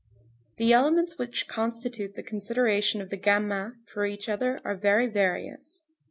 The elements which constitute the consideration of the gamins for each other are very various.